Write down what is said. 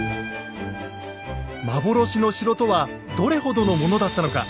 幻の城とはどれほどのものだったのか。